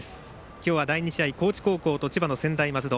今日は第２試合高知高校と専修大学松戸。